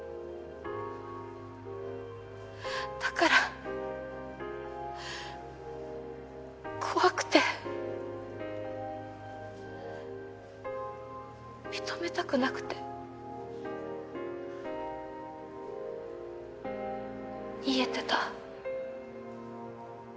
だから怖くて認めたくなくて逃げてた。